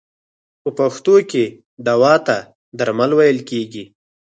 په پښتو کې دوا ته درمل ویل کیږی.